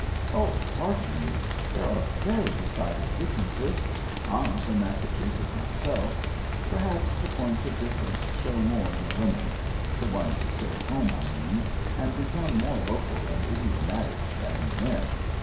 "Oh, pardon me, there are very decided differences. I'm from Massachusetts myself. Perhaps the points of difference show more in the women, the ones who stay at home, I mean, and become more local and idiomatic than the men.